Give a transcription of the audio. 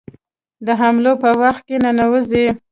د حملو په وخت کې ننوزي.